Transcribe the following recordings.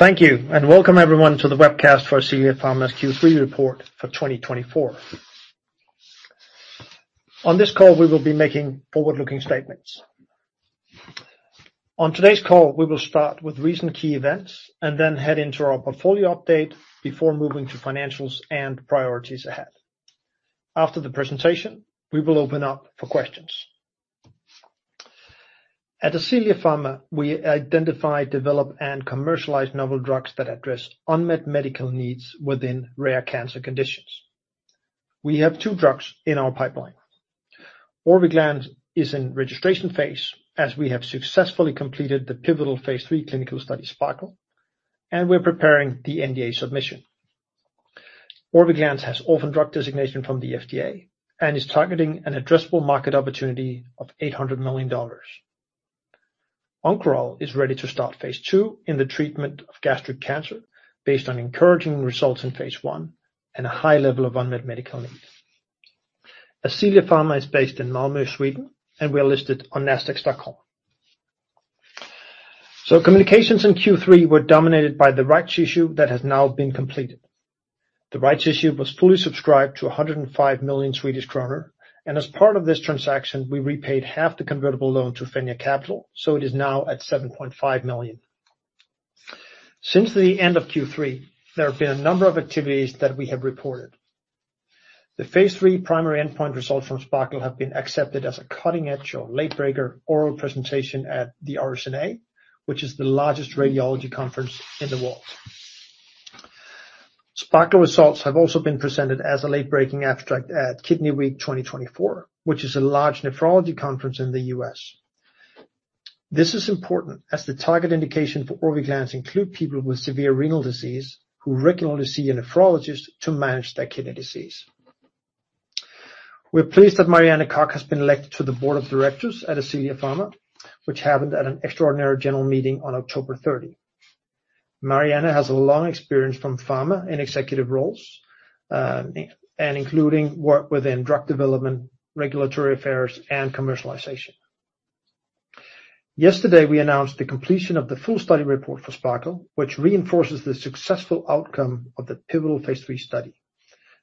Thank you, and welcome everyone to the webcast for Ascelia Pharma's Q3 report for 2024. On this call, we will be making forward-looking statements. On today's call, we will start with recent key events and then head into our portfolio update before moving to financials and priorities ahead. After the presentation, we will open up for questions. At Ascelia Pharma, we identify, develop, and commercialize novel drugs that address unmet medical needs within rare cancer conditions. We have two drugs in our pipeline. Orviglance is in the registration phase, as we have successfully completed the pivotal phase III clinical study SPARKLE, and we're preparing the NDA submission. Orviglance has an orphan drug designation from the FDA and is targeting an addressable market opportunity of $800 million. Oncoral is ready to start phase II in the treatment of gastric cancer based on encouraging results in phase I and a high level of unmet medical needs. Ascelia Pharma is based in Malmö, Sweden, and we are listed on Nasdaq. So, communications in Q3 were dominated by the rights issue that has now been completed. The rights issue was fully subscribed to 105 million Swedish kronor, and as part of this transaction, we repaid half the convertible loan to Fenja Capital, so it is now at 7.5 million. Since the end of Q3, there have been a number of activities that we have reported. The phase III primary endpoint results from SPARKLE have been accepted as a cutting-edge or late-breaker oral presentation at the RSNA, which is the largest radiology conference in the world. SPARKLE results have also been presented as a late-breaking abstract at Kidney Week 2024, which is a large nephrology conference in the U.S. This is important as the target indication for Orviglance includes people with severe renal disease who regularly see a nephrologist to manage their kidney disease. We're pleased that Marianne Kock has been elected to the board of directors at Ascelia Pharma, which happened at an extraordinary general meeting on October 30. Marianne has a long experience from pharma in executive roles, including work within drug development, regulatory affairs, and commercialization. Yesterday, we announced the completion of the full study report for SPARKLE, which reinforces the successful outcome of the pivotal phase III study.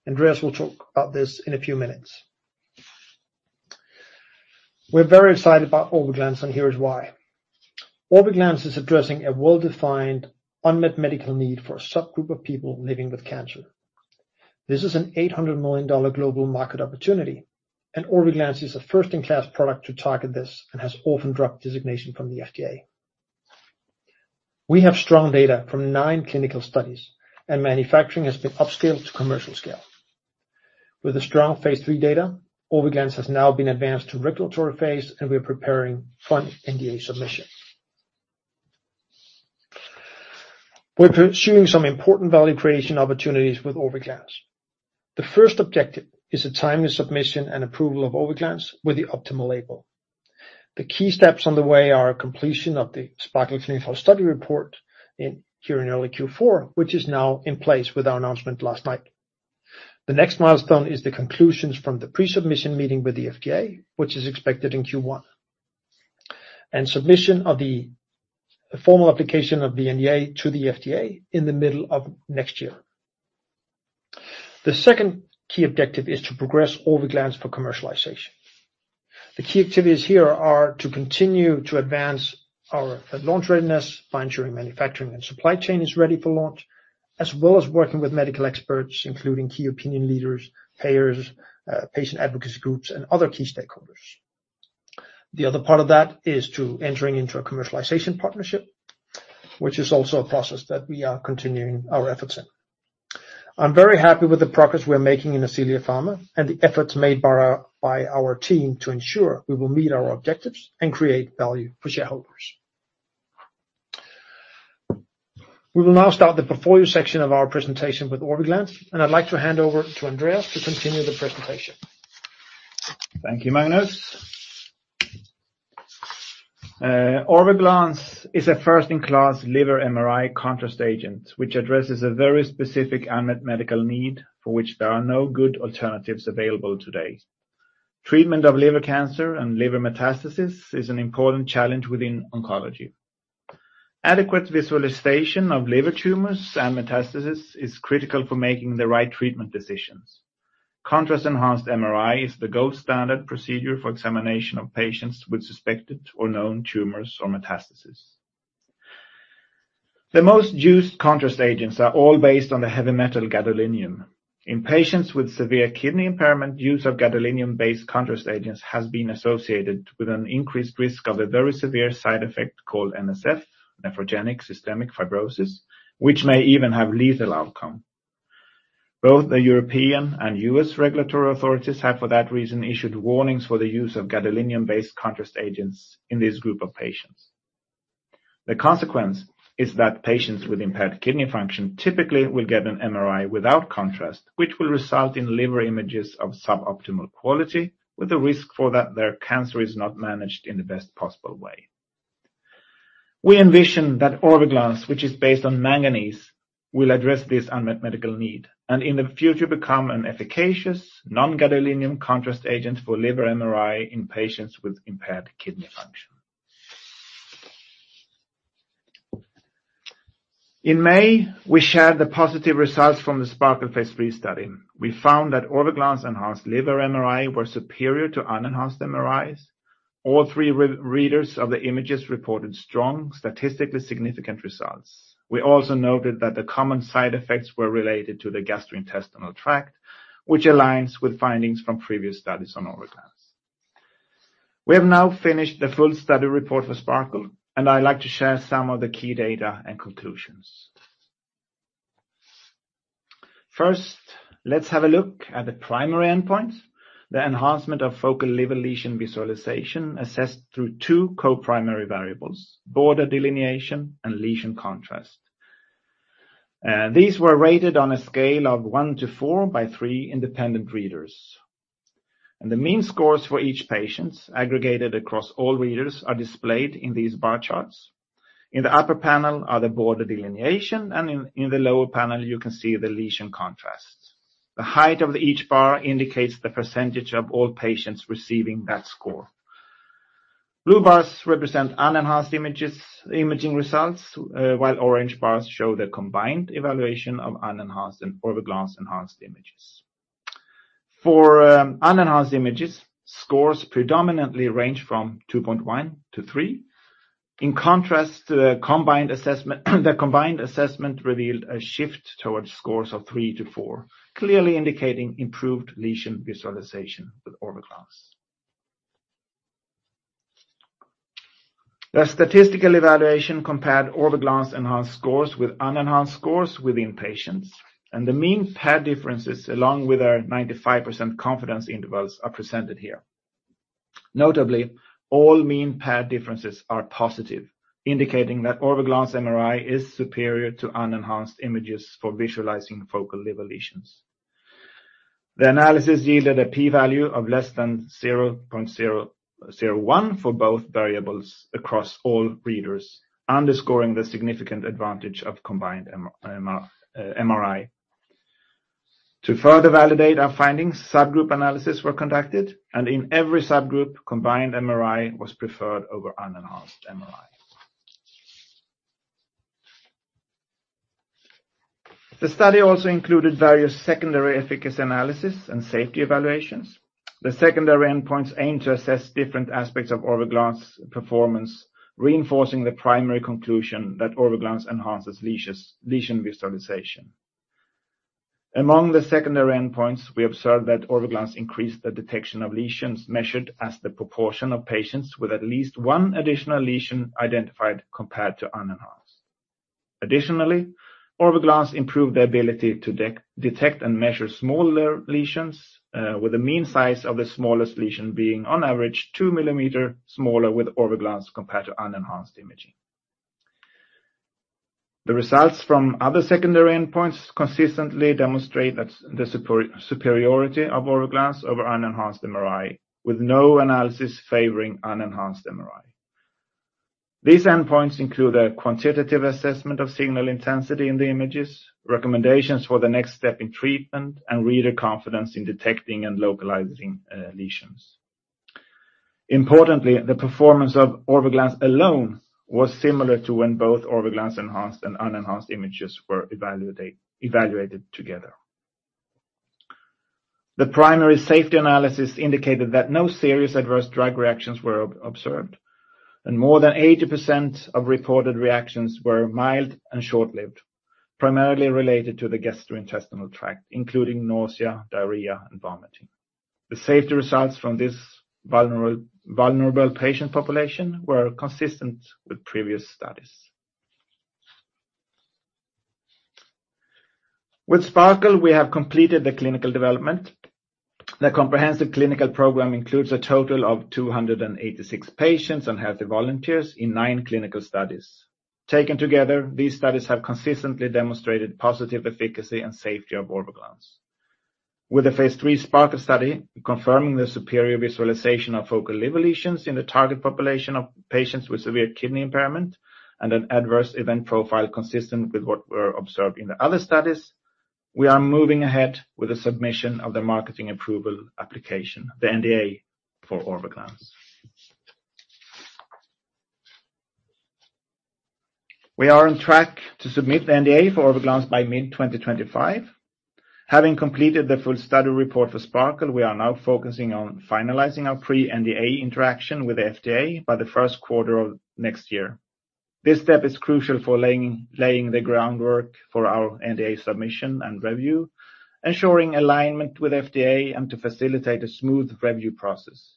Andreas will talk about this in a few minutes. We're very excited about Orviglance, and here's why. Orviglance is addressing a well-defined unmet medical need for a subgroup of people living with cancer. This is an $800 million global market opportunity, and Orviglance is a first-in-class product to target this and has orphan drug designation from the FDA. We have strong data from nine clinical studies, and manufacturing has been upscaled to commercial scale. With the strong phase III data, Orviglance has now been advanced to regulatory phase, and we are preparing for an NDA submission. We're pursuing some important value creation opportunities with Orviglance. The first objective is a timely submission and approval of Orviglance with the optimal label. The key steps on the way are completion of the SPARKLE clinical study report here in early Q4, which is now in place with our announcement last night. The next milestone is the conclusions from the pre-submission meeting with the FDA, which is expected in Q1, and submission of the formal application of the NDA to the FDA in the middle of next year. The second key objective is to progress Orviglance for commercialization. The key activities here are to continue to advance our launch readiness by ensuring manufacturing and supply chain is ready for launch, as well as working with medical experts, including key opinion leaders, payers, patient advocacy groups, and other key stakeholders. The other part of that is entering into a commercialization partnership, which is also a process that we are continuing our efforts in. I'm very happy with the progress we're making in Ascelia Pharma and the efforts made by our team to ensure we will meet our objectives and create value for shareholders. We will now start the portfolio section of our presentation with Orviglance, and I'd like to hand over to Andreas to continue the presentation. Thank you, Magnus. Orviglance is a first-in-class liver MRI contrast agent, which addresses a very specific unmet medical need for which there are no good alternatives available today. Treatment of liver cancer and liver metastasis is an important challenge within oncology. Adequate visualization of liver tumors and metastasis is critical for making the right treatment decisions. Contrast-enhanced MRI is the gold standard procedure for examination of patients with suspected or known tumors or metastasis. The most used contrast agents are all based on the heavy metal gadolinium. In patients with severe kidney impairment, use of gadolinium-based contrast agents has been associated with an increased risk of a very severe side effect called NSF, nephrogenic systemic fibrosis, which may even have lethal outcome. Both the European and U.S. regulatory authorities have, for that reason, issued warnings for the use of gadolinium-based contrast agents in this group of patients. The consequence is that patients with impaired kidney function typically will get an MRI without contrast, which will result in liver images of suboptimal quality, with a risk that their cancer is not managed in the best possible way. We envision that Orviglance, which is based on manganese, will address this unmet medical need and, in the future, become an efficacious non-gadolinium contrast agent for liver MRI in patients with impaired kidney function. In May, we shared the positive results from the SPARKLE phase III study. We found that Orviglance-enhanced liver MRI were superior to unenhanced MRIs. All three readers of the images reported strong, statistically significant results. We also noted that the common side effects were related to the gastrointestinal tract, which aligns with findings from previous studies on Orviglance. We have now finished the full study report for SPARKLE, and I'd like to share some of the key data and conclusions. First, let's have a look at the primary endpoints: the enhancement of focal liver lesion visualization assessed through two co-primary variables, border delineation and lesion contrast. These were rated on a scale of 1 to 4 by three independent readers. The mean scores for each patient aggregated across all readers are displayed in these bar charts. In the upper panel are the border delineation, and in the lower panel, you can see the lesion contrast. The height of each bar indicates the percentage of all patients receiving that score. Blue bars represent unenhanced imaging results, while orange bars show the combined evaluation of unenhanced and Orviglance-enhanced images. For unenhanced images, scores predominantly range from 2.1-3. In contrast, the combined assessment revealed a shift towards scores of 3-4, clearly indicating improved lesion visualization with Orviglance. The statistical evaluation compared Orviglance-enhanced scores with unenhanced scores within patients, and the mean paired differences, along with our 95% confidence intervals, are presented here. Notably, all mean paired differences are positive, indicating that Orviglance MRI is superior to unenhanced images for visualizing focal liver lesions. The analysis yielded a p-value of less than 0.01 for both variables across all readers, underscoring the significant advantage of combined MRI. To further validate our findings, subgroup analyses were conducted, and in every subgroup, combined MRI was preferred over unenhanced MRI. The study also included various secondary efficacy analyses and safety evaluations. The secondary endpoints aim to assess different aspects of Orviglance' performance, reinforcing the primary conclusion that Orviglance enhances lesion visualization. Among the secondary endpoints, we observed that Orviglance increased the detection of lesions measured as the proportion of patients with at least one additional lesion identified compared to unenhanced. Additionally, Orviglance improved the ability to detect and measure smaller lesions, with the mean size of the smallest lesion being, on average, two millimeters smaller with Orviglance compared to unenhanced imaging. The results from other secondary endpoints consistently demonstrate the superiority of Orviglance over unenhanced MRI, with no analysis favoring unenhanced MRI. These endpoints include a quantitative assessment of signal intensity in the images, recommendations for the next step in treatment, and reader confidence in detecting and localizing lesions. Importantly, the performance of Orviglance alone was similar to when both Orviglance-enhanced and unenhanced images were evaluated together. The primary safety analysis indicated that no serious adverse drug reactions were observed, and more than 80% of reported reactions were mild and short-lived, primarily related to the gastrointestinal tract, including nausea, diarrhea, and vomiting. The safety results from this vulnerable patient population were consistent with previous studies. With SPARKLE, we have completed the clinical development. The comprehensive clinical program includes a total of 286 patients and healthy volunteers in nine clinical studies. Taken together, these studies have consistently demonstrated positive efficacy and safety of Orviglance. With the phase III SPARKLE study confirming the superior visualization of focal liver lesions in the target population of patients with severe kidney impairment and an adverse event profile consistent with what was observed in the other studies, we are moving ahead with the submission of the marketing approval application, the NDA for Orviglance. We are on track to submit the NDA for Orviglance by mid-2025. Having completed the full study report for SPARKLE, we are now focusing on finalizing our pre-NDA interaction with the FDA by the first quarter of next year. This step is crucial for laying the groundwork for our NDA submission and review, ensuring alignment with the FDA and to facilitate a smooth review process.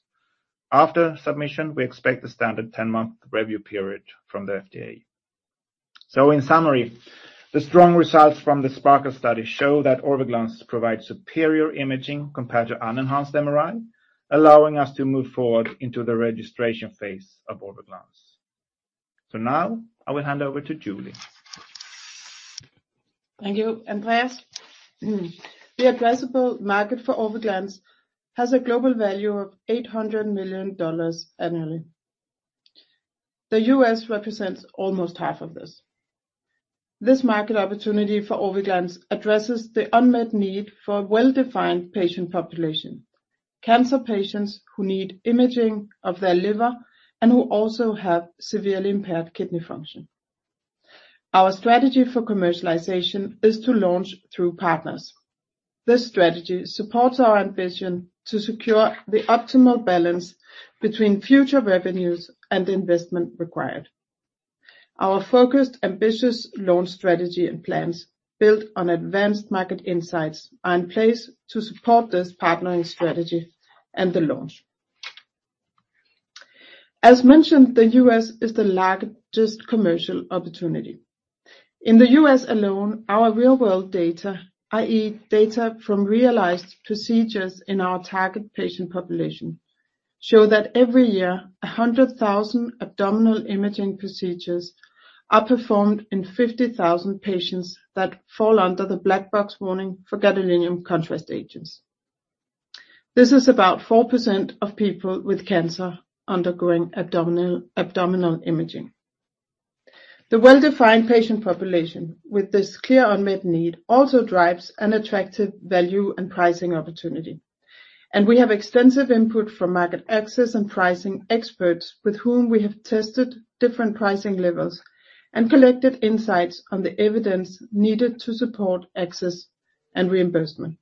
After submission, we expect a standard 10-month review period from the FDA. So, in summary, the strong results from the SPARKLE study show that Orviglance provides superior imaging compared to unenhanced MRI, allowing us to move forward into the registration phase of Orviglance. So now, I will hand over to Julie. Thank you, Andreas. The addressable market for Orviglance has a global value of $800 million annually. The U.S. represents almost half of this. This market opportunity for Orviglance addresses the unmet need for a well-defined patient population: cancer patients who need imaging of their liver and who also have severely impaired kidney function. Our strategy for commercialization is to launch through partners. This strategy supports our ambition to secure the optimal balance between future revenues and investment required. Our focused, ambitious launch strategy and plans built on advanced market insights are in place to support this partnering strategy and the launch. As mentioned, the U.S. is the largest commercial opportunity. In the U.S. alone, our real-world data, i.e., data from realized procedures in our target patient population, show that every year, 100,000 abdominal imaging procedures are performed in 50,000 patients that fall under the black box warning for gadolinium contrast agents. This is about 4% of people with cancer undergoing abdominal imaging. The well-defined patient population with this clear unmet need also drives an attractive value and pricing opportunity. And we have extensive input from market access and pricing experts with whom we have tested different pricing levels and collected insights on the evidence needed to support access and reimbursement.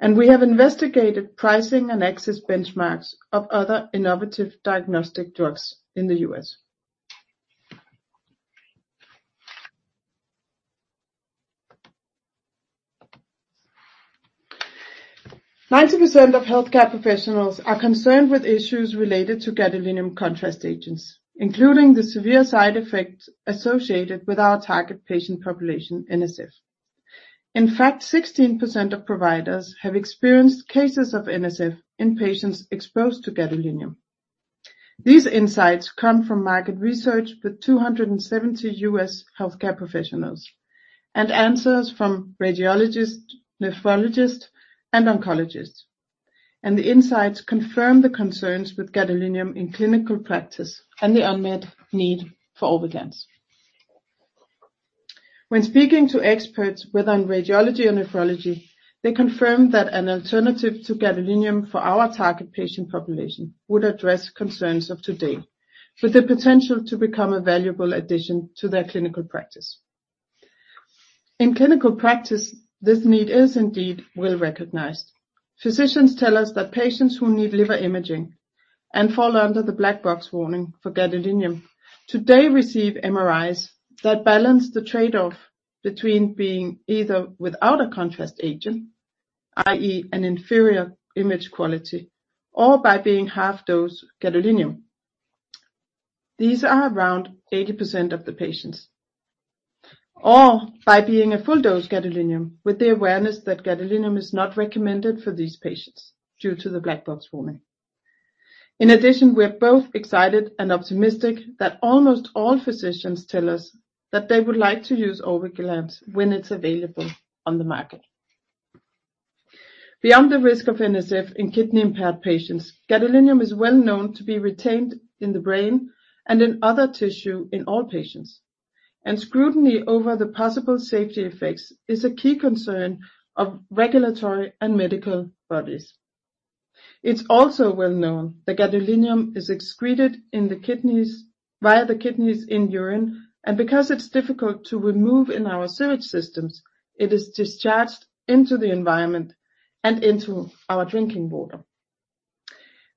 And we have investigated pricing and access benchmarks of other innovative diagnostic drugs in the U.S. 90% of healthcare professionals are concerned with issues related to gadolinium contrast agents, including the severe side effects associated with our target patient population, NSF. In fact, 16% of providers have experienced cases of NSF in patients exposed to gadolinium. These insights come from market research with 270 U.S. healthcare professionals and answers from radiologists, nephrologists, and oncologists, and the insights confirm the concerns with gadolinium in clinical practice and the unmet need for Orviglance. When speaking to experts within radiology and nephrology, they confirm that an alternative to gadolinium for our target patient population would address concerns of today, with the potential to become a valuable addition to their clinical practice. In clinical practice, this need is indeed well recognized. Physicians tell us that patients who need liver imaging and fall under the black box warning for gadolinium today receive MRIs that balance the trade-off between being either without a contrast agent, i.e., an inferior image quality, or by being half-dose gadolinium. These are around 80% of the patients, or by being a full-dose gadolinium, with the awareness that gadolinium is not recommended for these patients due to the black box warning. In addition, we are both excited and optimistic that almost all physicians tell us that they would like to use Orviglance when it's available on the market. Beyond the risk of NSF in kidney-impaired patients, gadolinium is well known to be retained in the brain and in other tissues in all patients. Scrutiny over the possible safety effects is a key concern of regulatory and medical bodies. It's also well known that gadolinium is excreted via the kidneys in urine, and because it's difficult to remove in our sewage systems, it is discharged into the environment and into our drinking water.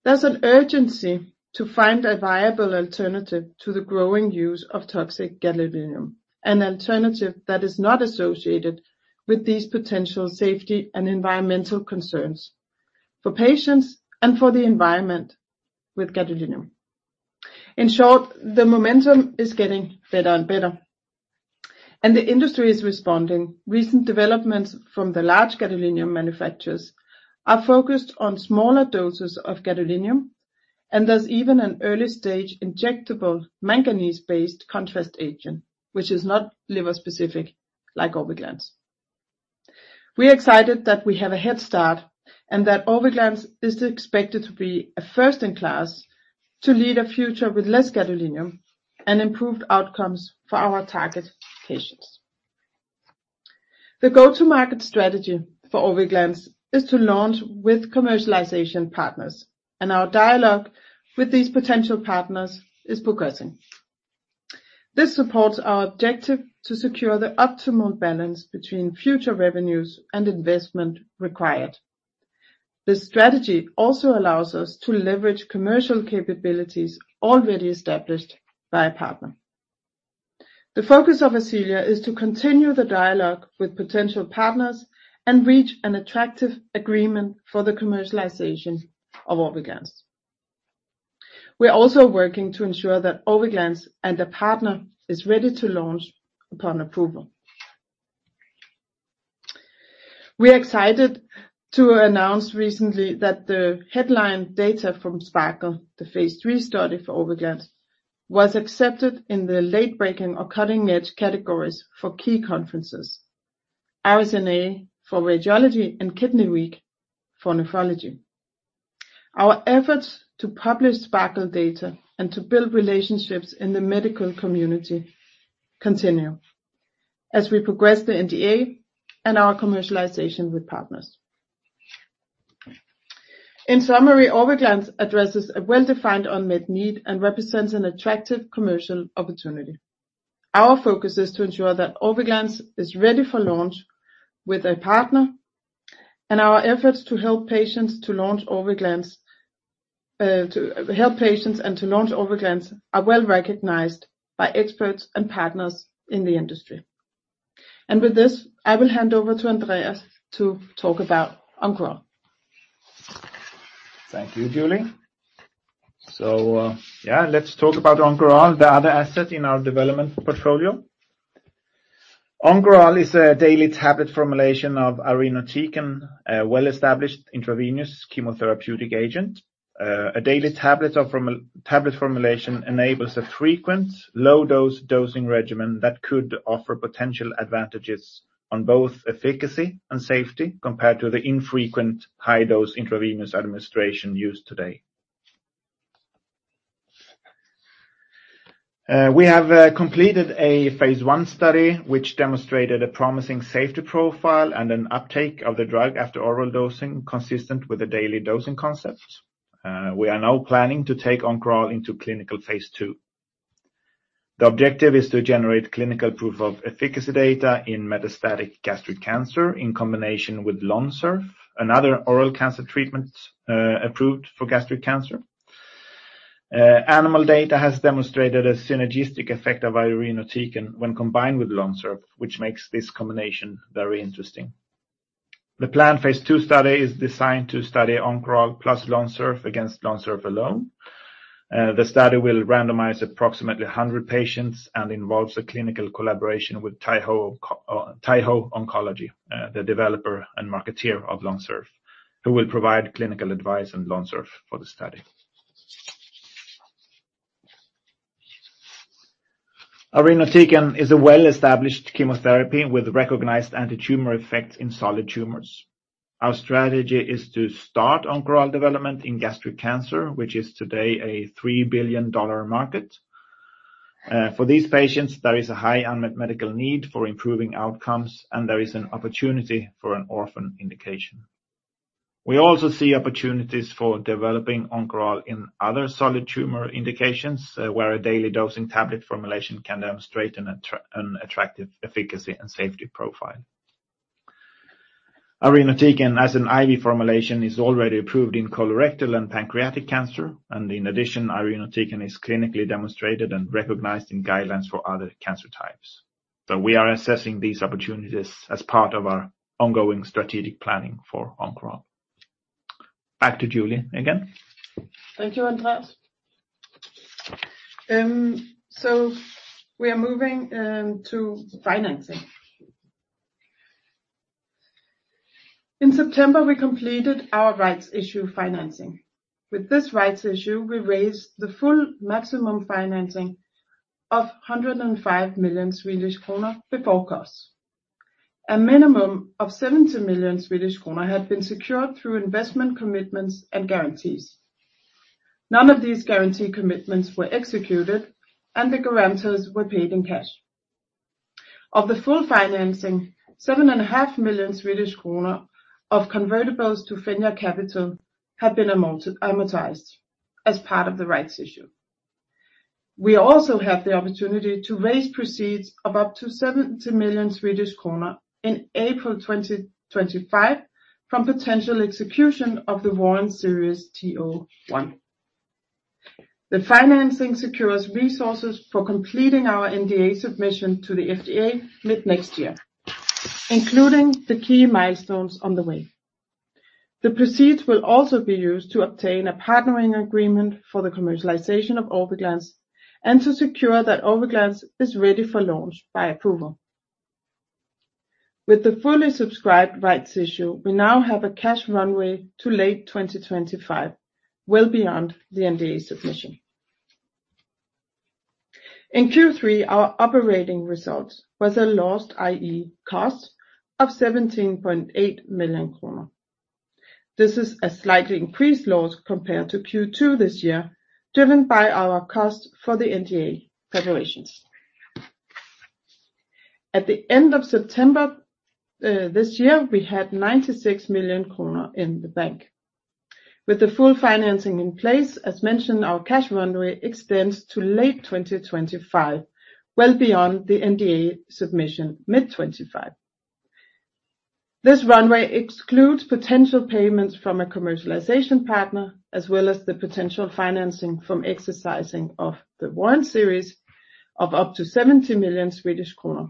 There's an urgency to find a viable alternative to the growing use of toxic gadolinium, an alternative that is not associated with these potential safety and environmental concerns for patients and for the environment with gadolinium. In short, the momentum is getting better and better, and the industry is responding. Recent developments from the large gadolinium manufacturers are focused on smaller doses of gadolinium, and there's even an early-stage injectable manganese-based contrast agent, which is not liver-specific like Orviglance. We are excited that we have a head start and that Orviglance is expected to be a first-in-class to lead a future with less gadolinium and improved outcomes for our target patients. The go-to-market strategy for Orviglance is to launch with commercialization partners, and our dialogue with these potential partners is progressing. This supports our objective to secure the optimal balance between future revenues and investment required. This strategy also allows us to leverage commercial capabilities already established by a partner. The focus of Ascelia is to continue the dialogue with potential partners and reach an attractive agreement for the commercialization of Orviglance. We are also working to ensure that Orviglance and a partner are ready to launch upon approval. We are excited to announce recently that the headline data from SPARKLE, the phase III study for Orviglance, was accepted in the late-breaking or cutting-edge categories for key conferences: RSNA for Radiology and Kidney Week for Nephrology. Our efforts to publish SPARKLE data and to build relationships in the medical community continue as we progress the NDA and our commercialization with partners. In summary, Orviglance addresses a well-defined unmet need and represents an attractive commercial opportunity. Our focus is to ensure that Orviglance is ready for launch with a partner, and our efforts to help patients to launch Orviglance are well recognized by experts and partners in the industry, and with this, I will hand over to Andreas to talk about Oncoral. Thank you, Julie. So yeah, let's talk about Oncoral, the other asset in our development portfolio. Oncoral is a daily tablet formulation of irinotecan, a well-established intravenous chemotherapeutic agent. A daily tablet formulation enables a frequent low-dose dosing regimen that could offer potential advantages on both efficacy and safety compared to the infrequent high-dose intravenous administration used today. We have completed a phase I study, which demonstrated a promising safety profile and an uptake of the drug after oral dosing consistent with the daily dosing concept. We are now planning to take Oncoral into clinical phase II. The objective is to generate clinical proof of efficacy data in metastatic gastric cancer in combination with Lonsurf, another oral cancer treatment approved for gastric cancer. Animal data has demonstrated a synergistic effect of irinotecan when combined with Lonsurf, which makes this combination very interesting. The planned phase II study is designed to study Oncoral plus Lonsurf against Lonsurf alone. The study will randomize approximately 100 patients and involves a clinical collaboration with Taiho Oncology, the developer and marketer of Lonsurf, who will provide clinical advice on Lonsurf for the study. Irinotecan is a well-established chemotherapy with recognized anti-tumor effects in solid tumors. Our strategy is to start Oncoral development in gastric cancer, which is today a $3 billion market. For these patients, there is a high unmet medical need for improving outcomes, and there is an opportunity for an orphan indication. We also see opportunities for developing Oncoral in other solid tumor indications where a daily dosing tablet formulation can demonstrate an attractive efficacy and safety profile. Irinotecan, as an IV formulation, is already approved in colorectal and pancreatic cancer. And in addition, irinotecan is clinically demonstrated and recognized in guidelines for other cancer types. So we are assessing these opportunities as part of our ongoing strategic planning for Oncoral. Back to Julie again. Thank you, Andreas. So we are moving to financing. In September, we completed our rights issue financing. With this rights issue, we raised the full maximum financing of 105 million Swedish kronor before cost. A minimum of 70 million Swedish kronor had been secured through investment commitments and guarantees. None of these guarantee commitments were executed, and the guarantors were paid in cash. Of the full financing, 7.5 million Swedish kronor of convertibles to Fenja Capital have been amortized as part of the rights issue. We also have the opportunity to raise proceeds of up to 70 million Swedish kronor in April 2025 from potential execution of the warrant series TO1. The financing secures resources for completing our NDA submission to the FDA mid-next year, including the key milestones on the way. The proceeds will also be used to obtain a partnering agreement for the commercialization of Orviglance and to secure that Orviglance is ready for launch by approval. With the fully subscribed rights issue, we now have a cash runway to late 2025, well beyond the NDA submission. In Q3, our operating result was a loss, i.e., cost of 17.8 million kronor. This is a slightly increased loss compared to Q2 this year, driven by our cost for the NDA preparations. At the end of September this year, we had 96 million kronor in the bank. With the full financing in place, as mentioned, our cash runway extends to late 2025, well beyond the NDA submission mid-2025. This runway excludes potential payments from a commercialization partner, as well as the potential financing from exercising of the warrant series of up to 70 million Swedish kronor.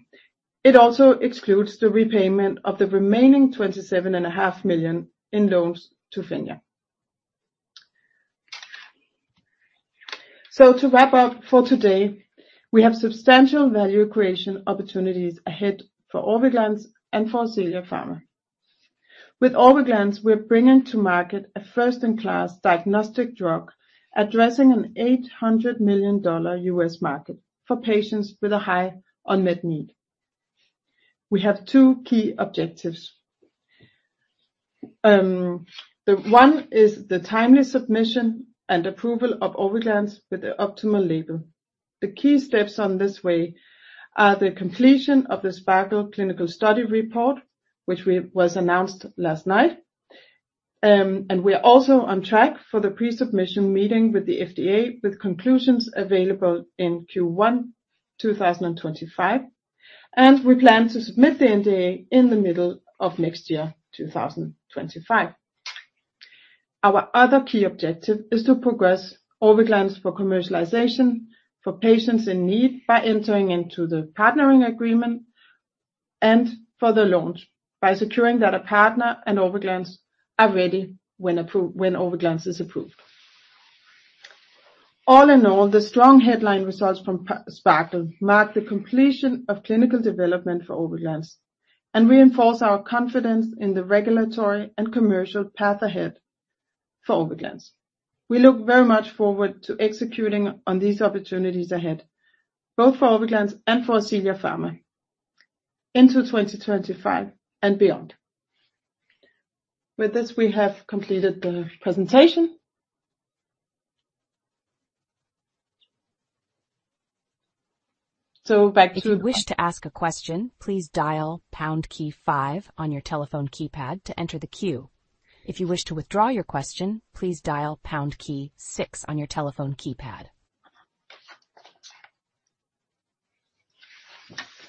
It also excludes the repayment of the remaining 27.5 million in loans to Fenja. So to wrap up for today, we have substantial value creation opportunities ahead for Orviglance and for Ascelia Pharma. With Orviglance, we're bringing to market a first-in-class diagnostic drug addressing an $800 million U.S. market for patients with a high unmet need. We have two key objectives. The one is the timely submission and approval of Orviglance with the optimal label. The key steps on this way are the completion of the SPARKLE clinical study report, which was announced last night. And we are also on track for the pre-submission meeting with the FDA, with conclusions available in Q1 2025. And we plan to submit the NDA in the middle of next year, 2025. Our other key objective is to progress Orviglance for commercialization for patients in need by entering into the partnering agreement and for the launch by securing that a partner and Orviglance are ready when Orviglance is approved. All in all, the strong headline results from SPARKLE mark the completion of clinical development for Orviglance and reinforce our confidence in the regulatory and commercial path ahead for Orviglance. We look very much forward to executing on these opportunities ahead, both for Orviglance and for Ascelia Pharma, into 2025 and beyond. With this, we have completed the presentation. So back to. If you wish to ask a question, please dial pound key five on your telephone keypad to enter the queue. If you wish to withdraw your question, please dial pound key six on your telephone keypad.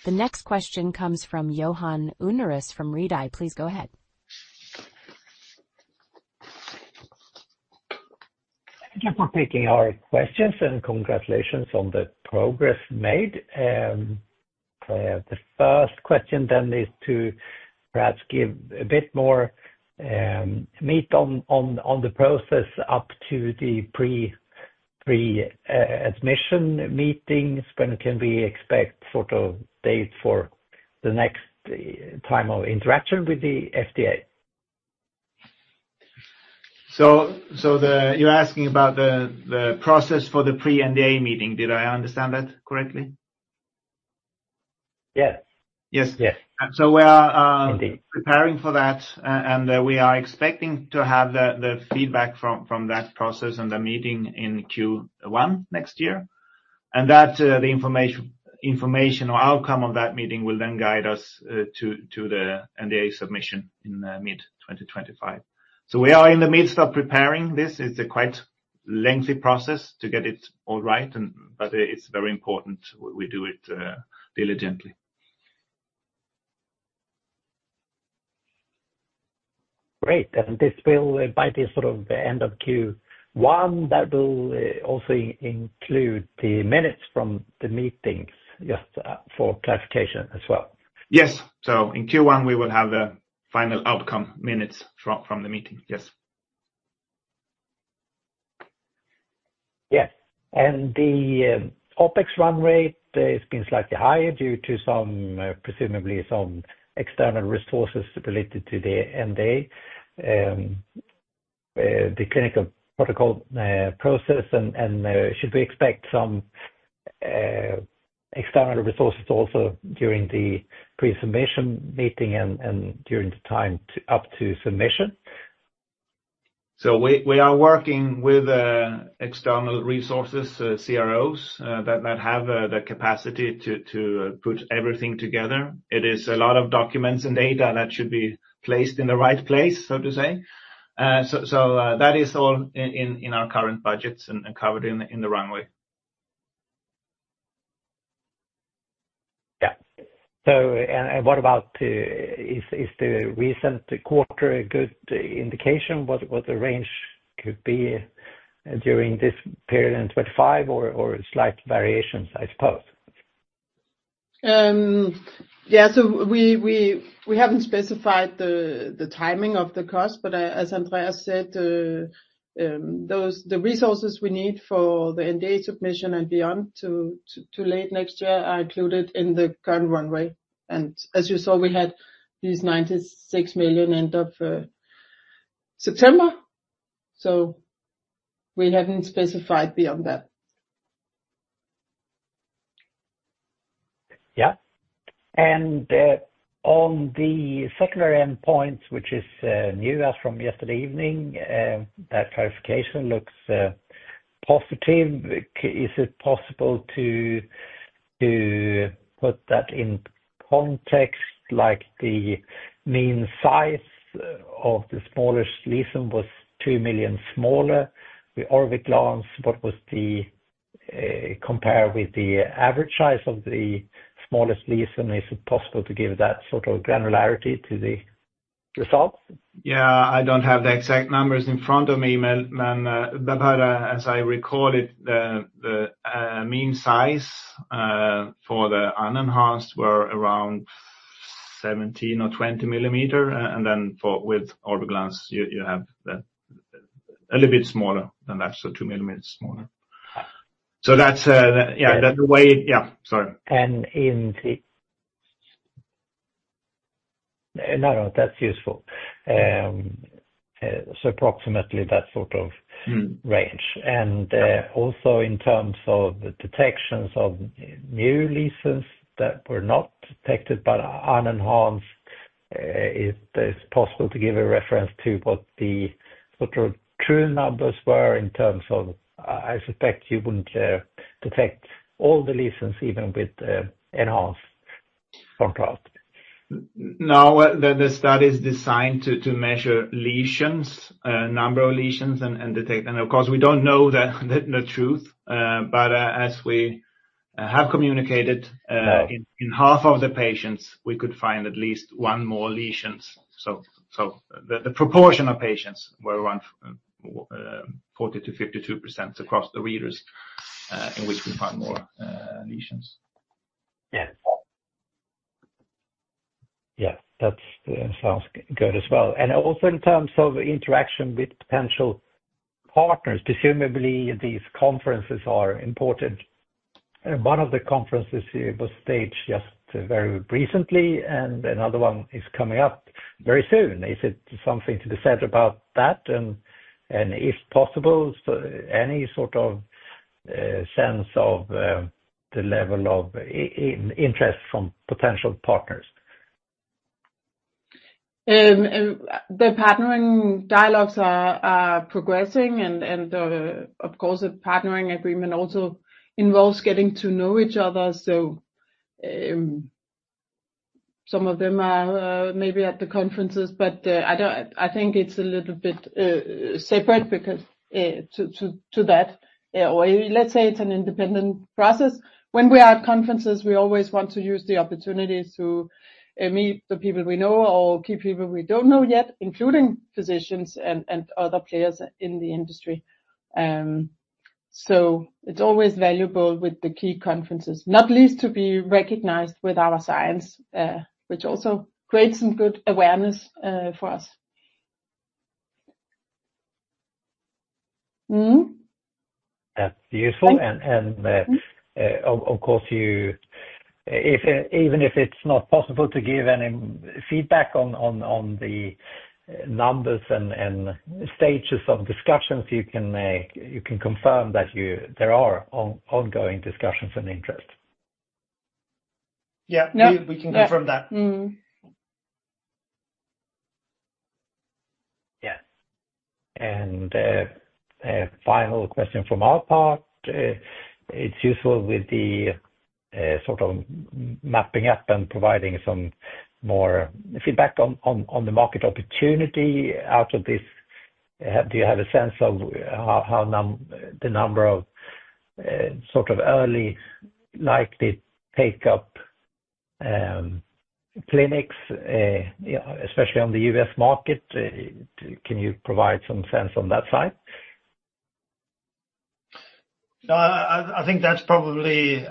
The next question comes from Johan Unnérus from Redeye. Please go ahead. Thank you for taking our questions, and congratulations on the progress made. The first question then is to perhaps give a bit more meat on the process up to the pre-NDA meetings. When can we expect sort of date for the next time of interaction with the FDA? So you're asking about the process for the pre-NDA meeting. Did I understand that correctly? Yes. Yes. Yes. So we are preparing for that, and we are expecting to have the feedback from that process and the meeting in Q1 next year. And the information or outcome of that meeting will then guide us to the NDA submission in mid-2025. So we are in the midst of preparing this. It's a quite lengthy process to get it all right, but it's very important. We do it diligently. Great. And this will, by the sort of end of Q1, that will also include the minutes from the meetings just for clarification as well. Yes. So in Q1, we will have the final outcome minutes from the meeting. Yes. Yes. And the OpEx run rate has been slightly higher due to presumably some external resources related to the NDA, the clinical protocol process, and should we expect some external resources also during the pre-submission meeting and during the time up to submission? So we are working with external resources, CROs, that have the capacity to put everything together. It is a lot of documents and data that should be placed in the right place, so to say. So that is all in our current budgets and covered in the runway. Yeah. And what about? Is the recent quarter a good indication what the range could be during this period in 2025 or slight variations, I suppose? Yeah. So we haven't specified the timing of the cost, but as Andreas said, the resources we need for the NDA submission and beyond to late next year are included in the current runway. As you saw, we had 96 million end of September. So we haven't specified beyond that. Yeah. And on the secondary endpoints, which is new as from yesterday evening, that clarification looks positive. Is it possible to put that in context like the mean size of the smaller lesion was 2 mm smaller? With Orviglance, what was the comparison with the average size of the smaller lesion? Is it possible to give that sort of granularity to the results? Yeah. I don't have the exact numbers in front of me, but as I recall it, the mean size for the unenhanced were around 17 or 20 mm, and then with Orviglance, you have a little bit smaller than that, so two millimeters smaller, so that's the way yeah, sorry. That's useful. So approximately that sort of range. Also in terms of detections of new lesions that were not detected but unenhanced, is it possible to give a reference to what the sort of true numbers were in terms of? I suspect you wouldn't detect all the lesions even with enhanced contrast. No, the study is designed to measure lesions, number of lesions, and detect. And of course, we don't know the truth, but as we have communicated, in half of the patients, we could find at least one more lesion. So the proportion of patients were around 40%-52% across the readers in which we found more lesions. Yes. Yeah. That sounds good as well. And also in terms of interaction with potential partners, presumably these conferences are important. One of the conferences was staged just very recently, and another one is coming up very soon. Is it something to be said about that? And if possible, any sort of sense of the level of interest from potential partners? The partnering dialogues are progressing, and of course, the partnering agreement also involves getting to know each other, so some of them are maybe at the conferences, but I think it's a little bit separate because to that, or let's say it's an independent process. When we are at conferences, we always want to use the opportunities to meet the people we know or key people we don't know yet, including physicians and other players in the industry, so it's always valuable with the key conferences, not least to be recognized with our science, which also creates some good awareness for us. That's useful, and of course, even if it's not possible to give any feedback on the numbers and stages of discussions, you can confirm that there are ongoing discussions and interest. Yeah. We can confirm that. Yes, and final question from our part. It's useful with the sort of mapping up and providing some more feedback on the market opportunity out of this. Do you have a sense of how the number of sort of early likely take-up clinics, especially on the U.S. market? Can you provide some sense on that side? So I think that's probably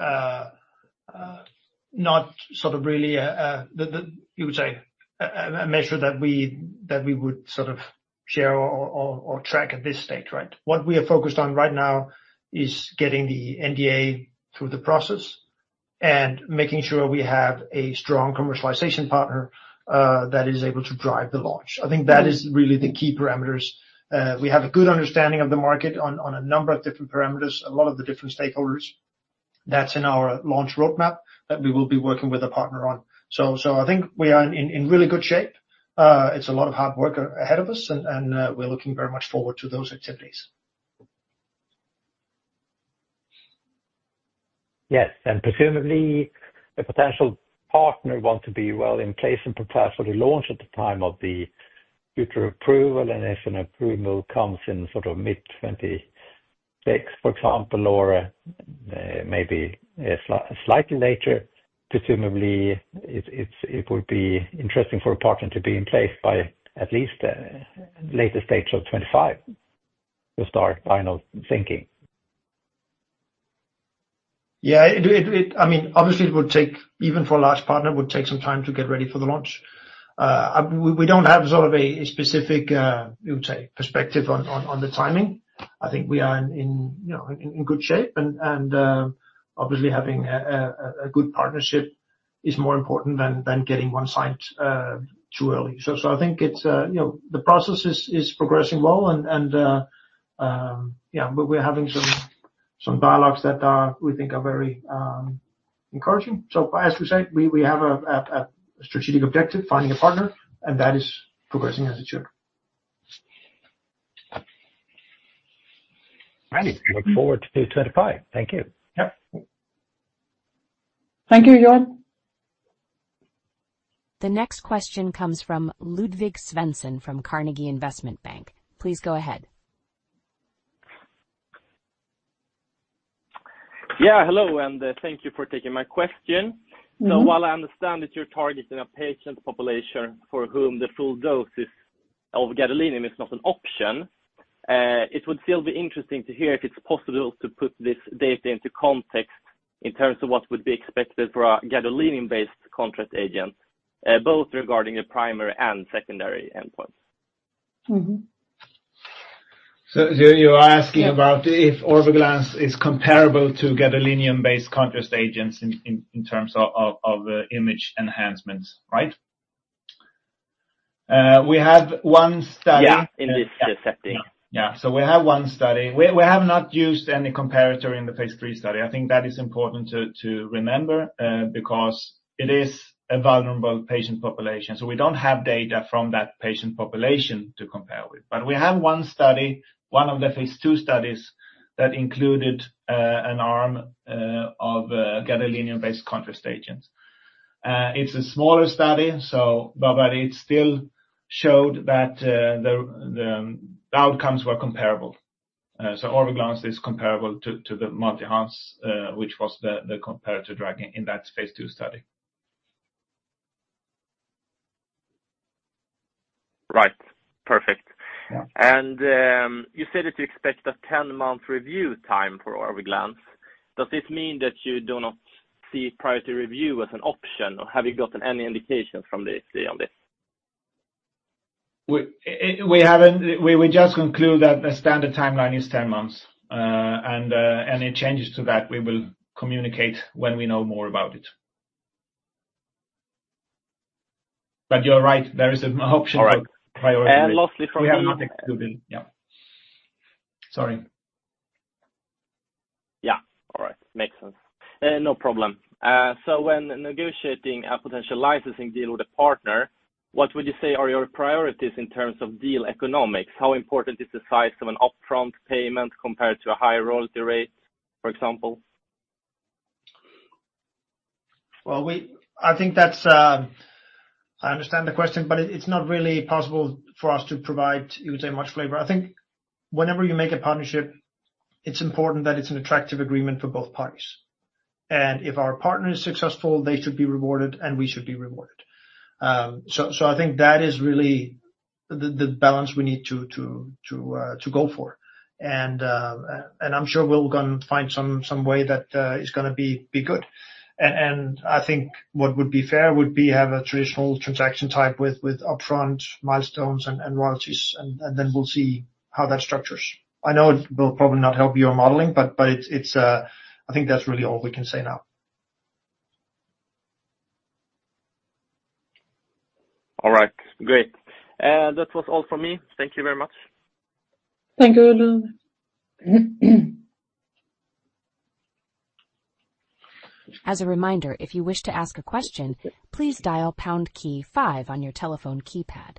not sort of really a, you would say, a measure that we would sort of share or track at this stage, right? What we are focused on right now is getting the NDA through the process and making sure we have a strong commercialization partner that is able to drive the launch. I think that is really the key parameters. We have a good understanding of the market on a number of different parameters, a lot of the different stakeholders. That's in our launch roadmap that we will be working with a partner on. So I think we are in really good shape. It's a lot of hard work ahead of us, and we're looking very much forward to those activities. Yes. And presumably, a potential partner wants to be well in place and prepare for the launch at the time of the future approval. And if an approval comes in sort of mid-2026, for example, or maybe slightly later, presumably, it would be interesting for a partner to be in place by at least the later stage of 2025 to start final thinking. Yeah. I mean, obviously, it would take even for a large partner, it would take some time to get ready for the launch. We don't have sort of a specific, you would say, perspective on the timing. I think we are in good shape, and obviously, having a good partnership is more important than getting one signed too early, so I think the process is progressing well, and yeah, we're having some dialogues that we think are very encouraging, so as we say, we have a strategic objective, finding a partner, and that is progressing as it should. Great. Look forward to 2025. Thank you. Yep. Thank you, Johan. The next question comes from Ludvig Svensson from Carnegie Investment Bank. Please go ahead. Yeah. Hello, and thank you for taking my question, so while I understand that you're targeting a patient population for whom the full dose of gadolinium is not an option, it would still be interesting to hear if it's possible to put this data into context in terms of what would be expected for a gadolinium-based contrast agent, both regarding the primary and secondary endpoints? So you are asking about if Orviglance is comparable to gadolinium-based contrast agents in terms of image enhancements, right? We have one study. Yeah, in this setting. Yeah. So we have one study. We have not used any comparator in the phase III study. I think that is important to remember because it is a vulnerable patient population. So we don't have data from that patient population to compare with. But we have one study, one of the phase II studies that included an arm of gadolinium-based contrast agents. It's a smaller study, but it still showed that the outcomes were comparable. So Orviglance is comparable to the MultiHance, which was the comparator drug in that phase II study. Right. Perfect. And you said that you expect a 10-month review time for Orviglance. Does this mean that you do not see priority review as an option, or have you gotten any indications from the FDA on this? We just conclude that the standard timeline is 10 months. And any changes to that, we will communicate when we know more about it. But you're right. There is an option for priority. And mostly from the. We are not excluded. Yeah. Sorry. Yeah. All right. Makes sense. No problem. So when negotiating a potential licensing deal with a partner, what would you say are your priorities in terms of deal economics? How important is the size of an upfront payment compared to a higher royalty rate, for example? I think that's. I understand the question, but it's not really possible for us to provide, you would say, much flavor. I think whenever you make a partnership, it's important that it's an attractive agreement for both parties. And if our partner is successful, they should be rewarded, and we should be rewarded. So I think that is really the balance we need to go for. And I'm sure we'll go and find some way that is going to be good. And I think what would be fair would be to have a traditional transaction type with upfront milestones and royalties, and then we'll see how that structures. I know it will probably not help your modeling, but I think that's really all we can say now. All right. Great. That was all for me. Thank you very much. Thank you. As a reminder, if you wish to ask a question, please dial pound key five on your telephone keypad.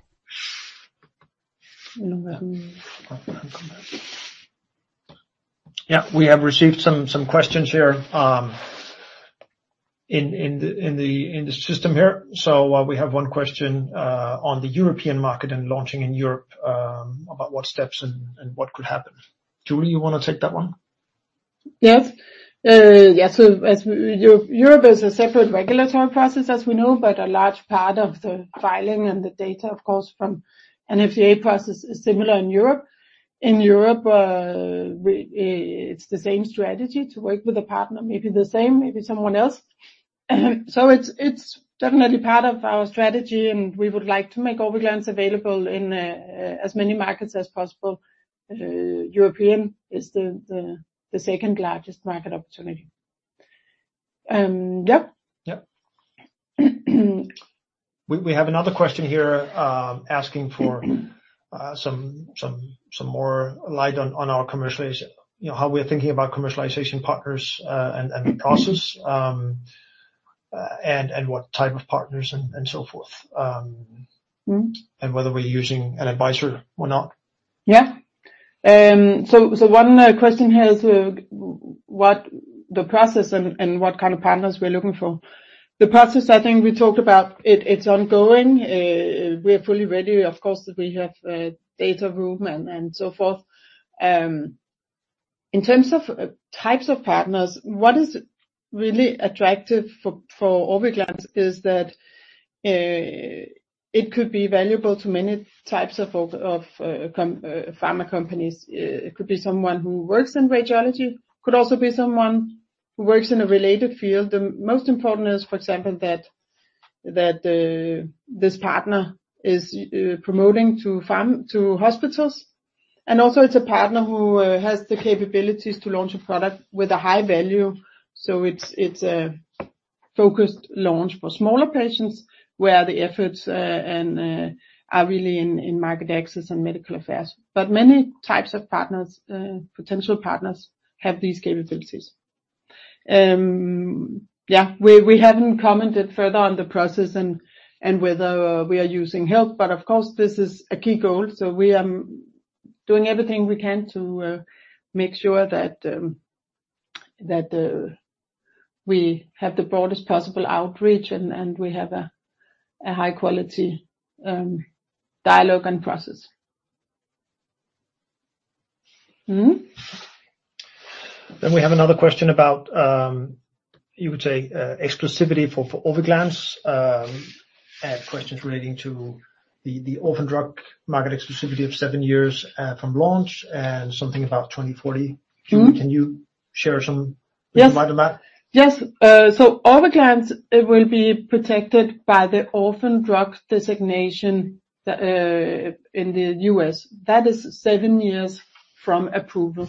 Yeah. We have received some questions here in the system here. So we have one question on the European market and launching in Europe about what steps and what could happen. Julie, you want to take that one? Yes. Yeah. So Europe is a separate regulatory process, as we know, but a large part of the filing and the data, of course, from FDA process is similar in Europe. In Europe, it's the same strategy to work with a partner, maybe the same, maybe someone else. So it's definitely part of our strategy, and we would like to make Orviglance available in as many markets as possible. Europe is the second largest market opportunity. Yep. Yep. We have another question here asking for some more light on how we're thinking about commercialization partners and the process and what type of partners and so forth, and whether we're using an advisor or not. Yeah. So one question here is what the process and what kind of partners we're looking for. The process, I think we talked about, it's ongoing. We are fully ready. Of course, we have data room and so forth. In terms of types of partners, what is really attractive for Orviglance is that it could be valuable to many types of pharma companies. It could be someone who works in radiology. It could also be someone who works in a related field. The most important is, for example, that this partner is promoting to hospitals. And also, it's a partner who has the capabilities to launch a product with a high value. So it's a focused launch for smaller patients where the efforts are really in market access and medical affairs. But many types of partners, potential partners, have these capabilities. Yeah. We haven't commented further on the process and whether we are using help, but of course, this is a key goal. So we are doing everything we can to make sure that we have the broadest possible outreach and we have a high-quality dialogue and process. Then we have another question about, you would say, exclusivity for Orviglance and questions relating to the orphan drug market exclusivity of seven years from launch and something about 2040. Julie, can you share some more about that? Yes. Yes. So Orviglance will be protected by the orphan drug designation in the U.S. That is seven years from approval.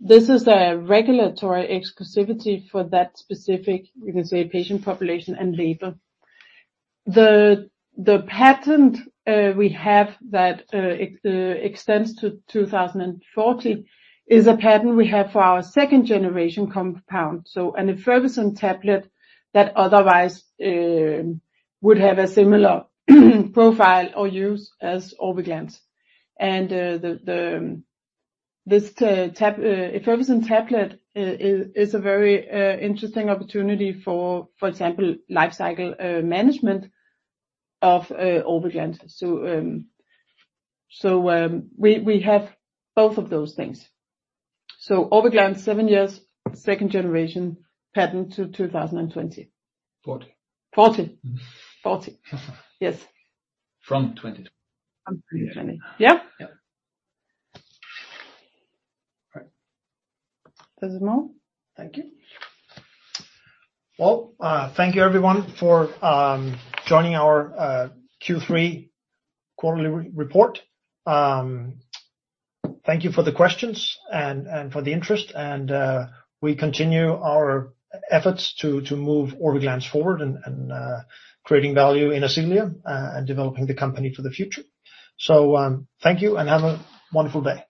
This is a regulatory exclusivity for that specific, you can say, patient population and label. The patent we have that extends to 2040 is a patent we have for our second-generation compound, so an effervescent tablet that otherwise would have a similar profile or use as Orviglance. And this effervescent tablet is a very interesting opportunity for, for example, lifecycle management of Orviglance. So we have both of those things. So Orviglance, seven years, second-generation patent to 2020. 2040. 2040. Yes. From 2020. From 2020. Yeah. Yeah. Does it move? Thank you. Thank you, everyone, for joining our Q3 quarterly report. Thank you for the questions and for the interest. We continue our efforts to move Orviglance forward and creating value in Ascelia and developing the company for the future. Thank you and have a wonderful day.